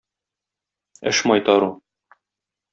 Эш майтару.